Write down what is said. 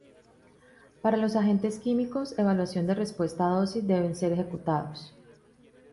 Para los agentes químicos, evaluación de respuesta-dosis deben ser ejecutados.